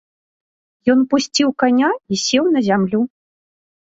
Ён пусціў каня і сеў на зямлю.